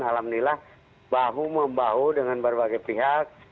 alhamdulillah bahu membahu dengan berbagai pihak